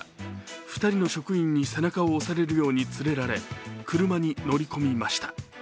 ２人の職員に背中を押されるように連れられ車に乗り込みました。